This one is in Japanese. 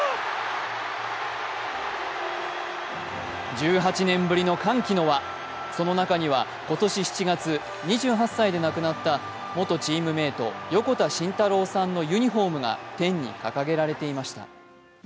１８年ぶりの歓喜の輪、その中には今年７月、２８歳で亡くなった元チームメート・横田慎太郎さんのユニフォームにが天に掲げられていました。